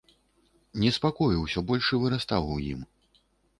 Неспакой усё большы выростаў у ім.